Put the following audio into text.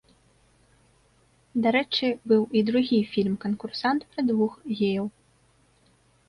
Дарэчы, быў і другі фільм-канкурсант пра двух геяў.